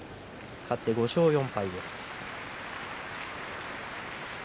勝って５勝４敗です。